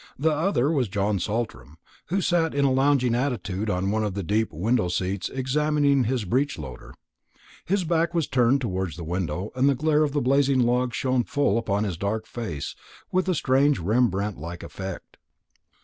The other was John Saltram, who sat in a lounging attitude on one of the deep window seats examining his breech loader. His back was turned towards the window, and the glare of the blazing logs shone full upon his dark face with a strange Rembrandt like effect.